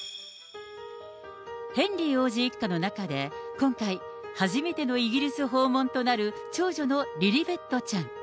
ヘンリー王子一家の中で、今回、初めてのイギリス訪問となる長女のリリベットちゃん。